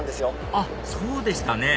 あっそうでしたね